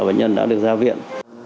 bệnh nhân đã được ra viện